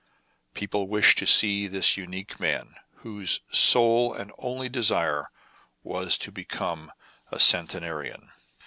People wished to see this unique man, whose " sole and only desire was to become a centenarian."